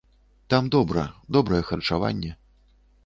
Там добра, добрае харчаванне.